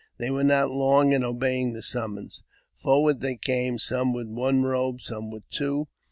They were not long in obeying the summons. Forward they came, some with one robe and some with two.